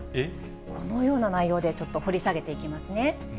このような内容でちょっと掘り下げていきますね。